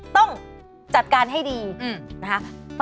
ต้องจัดการให้ดีนะคะ